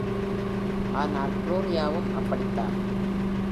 ஆனால் குளோரியாவும் அப்படித்தான்.